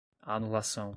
anulação